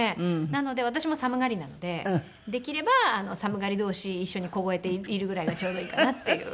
なので私も寒がりなのでできれば寒がり同士一緒に凍えているぐらいがちょうどいいかなっていう。